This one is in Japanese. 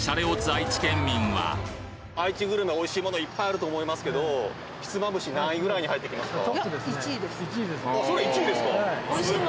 愛知グルメ、おいしいものいっぱいあると思いますけど、ひつまぶし、何位ぐらいに入ってきますか？